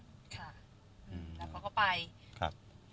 แล้วเขาก็ไป